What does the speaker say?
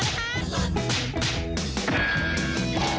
โอ้คุณผู้ชมค่ะเป็นยังไงบ้าง